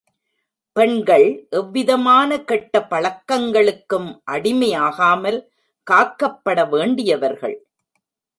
பெண்கள் எவ்விதமான கெட்ட பழக்கங்களுக்கும் அடிமையாகாமல் காக்கப்பட வேண்டியவர்கள்.